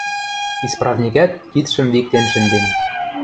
Исправникӓт кидшӹм виктен шӹнден.